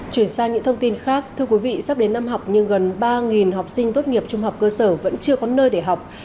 chuyển sang những thông tin khác thưa quý vị sắp đến năm học nhưng gần ba học sinh tốt nghiệp trung học cơ sở vẫn chưa có nơi để học